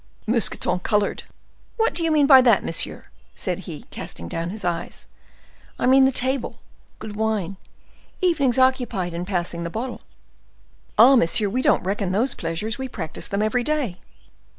Mousqueton colored. "What do you mean by that, monsieur?" said he, casting down his eyes. "I mean the table—good wine—evenings occupied in passing the bottle." "Ah, monsieur, we don't reckon those pleasures,—we practice them every day."